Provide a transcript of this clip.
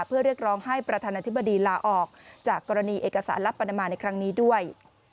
เพื่อเรียกร้องให้ประธานาธิบดีลาออกจากกรณีเอกสารลับปนามาในครั้งนี้ด้วย